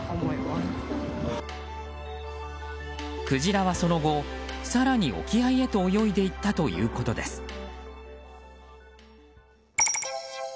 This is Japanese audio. クジラは、その後更に沖合へと泳いでいったということです。